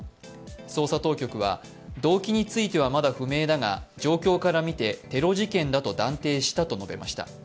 捜査当局は、動機についてはまだ不明だが状況から見てテロ事件だと断定したと述べました。